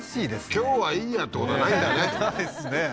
今日はいいやってことはないんだねないですね